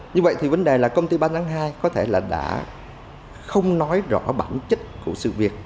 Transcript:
như vậy thì vấn đề là công ty ba tháng hai có thể là đã không nói rõ bản chất của sự việc